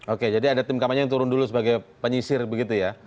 oke jadi ada tim kampanye yang turun dulu sebagai penyisir begitu ya